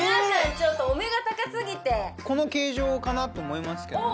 ちょっとお目が高すぎてこの形状かなと思いますけどね